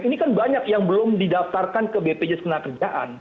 ini kan banyak yang belum didaftarkan ke bpjs kenakerjaan